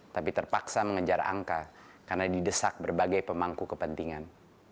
tapi terpaksa mengejar angka karena didesak berbagai pemangku kepentingan